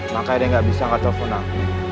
makanya dia gak bisa nge telepon aku